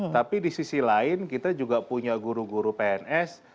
tapi di sisi lain kita juga punya guru guru pns